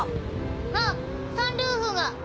あっサンルーフが！